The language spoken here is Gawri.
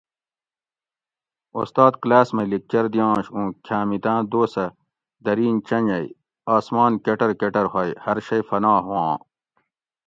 اُستاد کلاس مئ لیکچر دیاںش اُوں کھیامتاۤں دوسہ درین چۤنجیٔ آسمان کۤٹر کۤٹر ہوئی ھر شیٔ فنا ہواں